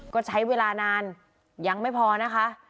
ก็ใช้เวลานานยังไม่พอนะคะ